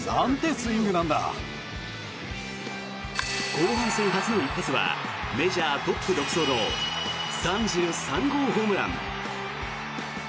後半戦初の一発はメジャートップ独走の３３号ホームラン。